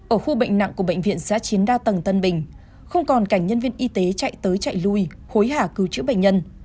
ở khu bệnh nặng của bệnh viện giã chiến đa tầng tân bình không còn cảnh nhân viên y tế chạy tới chạy lui hối hả cứu chữa bệnh nhân